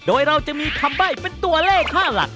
โดยเราจะมีคำใบ้เป็นตัวเลขค่าหลัก